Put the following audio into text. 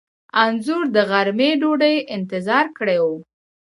انځور د غرمې ډوډۍ انتظام کړی و.